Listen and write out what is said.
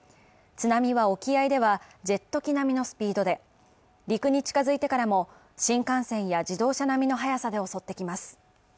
津波は沖合ではジェット機並みのスピードで陸に近づいてからも、新幹線や自動車並みの速さで襲ってきます。